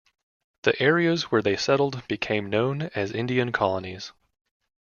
The areas where they settled became known as Indian colonies.